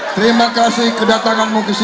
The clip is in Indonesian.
terima kasih kedatanganmu ke sini